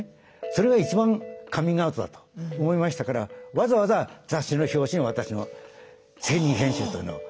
それが一番カミングアウトだと思いましたからわざわざ雑誌の表紙に私の責任編集というのを。